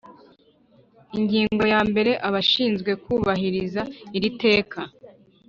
Ingingo ya mbere Abashinzwe kubahiriza iri teka